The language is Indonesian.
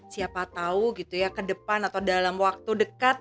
siapa tahu gitu ya ke depan atau dalam waktu dekat